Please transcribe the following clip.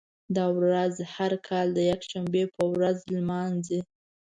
دا ورځ هر کال د یکشنبې په ورځ لمانځي.